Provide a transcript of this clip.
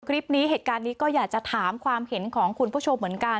เหตุการณ์นี้เหตุการณ์นี้ก็อยากจะถามความเห็นของคุณผู้ชมเหมือนกัน